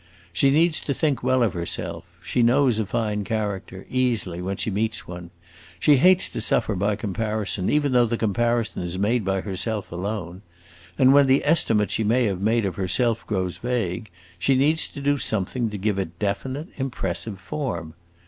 She needs to think well of herself; she knows a fine character, easily, when she meets one; she hates to suffer by comparison, even though the comparison is made by herself alone; and when the estimate she may have made of herself grows vague, she needs to do something to give it definite, impressive form.